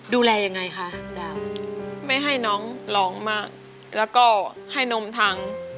ดูแลยังไงคะดาวไม่ให้น้องร้องมากแล้วก็ให้นมทาง